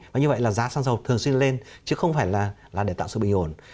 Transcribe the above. và như vậy là giá xăng dầu thường xuyên lên chứ không phải là để tạo sự bình ổn